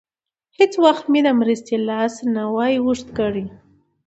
هېڅ وخت به مې د مرستې لاس نه وای اوږد کړی.